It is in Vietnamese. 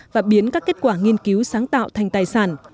và biến các kết quả nghiên cứu sáng tạo thành tài sản